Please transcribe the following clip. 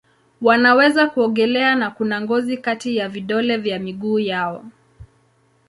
Wanaweza kuogelea na kuna ngozi kati ya vidole vya miguu yao.